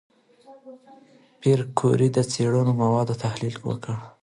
پېیر کوري د څېړنو د موادو تحلیل وکړ.